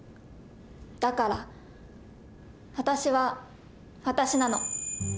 だから私は私なの。